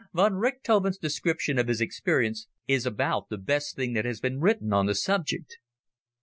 Von Richthofen's description of his experience is about the best thing that has been written on the subject.